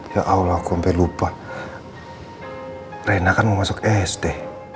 semuga supaya dan tidak agak ando